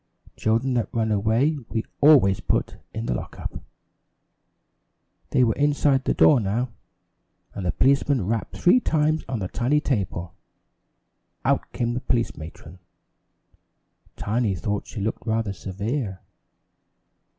Children that run away we always put in the lock up." They were inside the door now, and the policeman rapped three times on the tiny table. Out came the police matron. Tiny thought she looked rather severe.